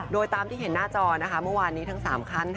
โดยตามที่เห็นหน้าจอเมื่อวานนี้ทั้ง๓ขั้น